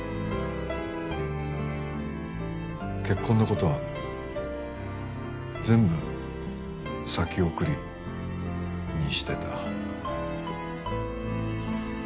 結婚の事は全部先送りにしてた。